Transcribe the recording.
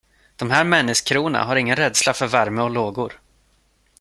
De här människrona har ingen rädsla för värme och lågor.